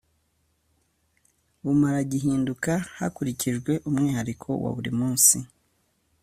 bumara gihinduka hakurikijwe umwihariko wa buri munsi